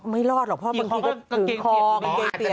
ไม่รอดหรอกพ่อบางทีก็หยิบคอหยิบเกงเปียก